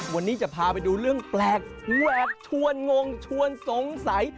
วันนี้จะพาไปดูเรื่องแปลกแหวกชวนงงชวนสงสัย